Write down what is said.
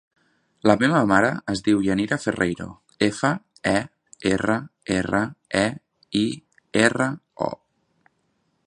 La meva mare es diu Yanira Ferreiro: efa, e, erra, erra, e, i, erra, o.